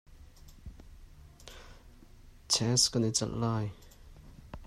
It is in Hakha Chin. Chess kan i calh te lai.